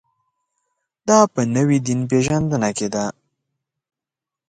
دا په نوې دین پېژندنه کې ده.